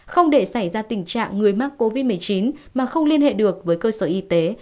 không để xảy ra tình trạng người mắc covid một mươi chín mà không liên hệ được với cơ sở y tế